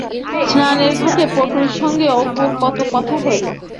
স্নানের ঘাটে পটুর সঙ্গে অপুর কত কথা হইল।